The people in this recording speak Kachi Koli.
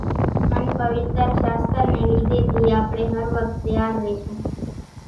ان پويتر شاستر ني لِيڌي ٿي آپڙي ھر وقت تيار رشون